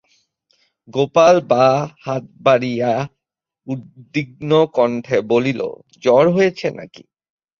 গোপাল বা হাত বাড়াইয়া উদ্বিগ্নকণ্ঠে বলিল, জ্বর হয়েছে নাকি?